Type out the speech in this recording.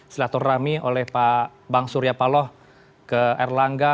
selator rami oleh pak bang surya paloh ke erlangga